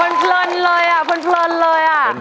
เพลินเลยอ่ะเพลินเลยอ่ะ